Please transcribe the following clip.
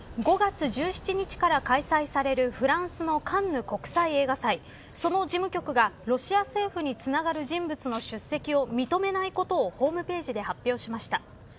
５月１７日から開催されるフランスのカンヌ国際映画祭その事務局がロシア政府につながる人物の出席を認めないことをホームページで発表しました。